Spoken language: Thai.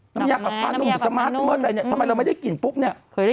น้ำยากผัดพูดสมาธิหวัดอะไรเนี่ยทำไมเราไม่ได้กินปุ๊บเนี่ย